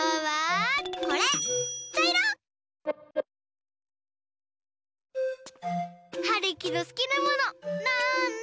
ちゃいろ！はるきのすきなものなんだ？